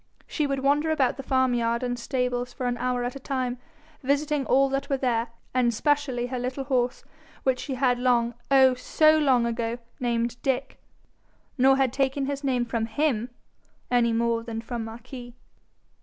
She would wander about the farmyard and stables for an hour at a time, visiting all that were there, and specially her little horse, which she had long, oh, so long ago! named Dick, nor had taken his name from him any more than from Marquis.